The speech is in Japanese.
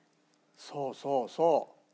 そうそうそう！